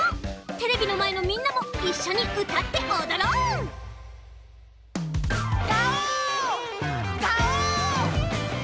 テレビのまえのみんなもいっしょにうたっておどろう！がおー！がおー！